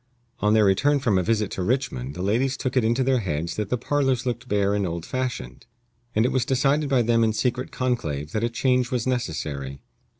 On their return from a visit to Richmond the ladies took it into their heads that the parlors looked bare and old fashioned, and it was decided by them in secret conclave that a change was necessary.